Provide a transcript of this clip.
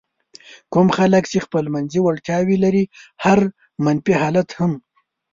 کوم خلک چې خپلمنځي وړتیاوې لري هر منفي حالت هم.